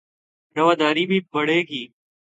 رواداری بھی بڑھے گی